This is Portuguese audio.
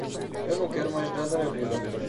Eu não quero mais nada na vida.